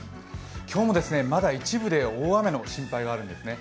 今日も、まだ一部で大雨の心配があるんですね。